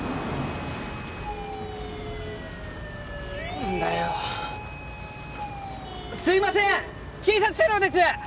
何だよすいません警察車両です！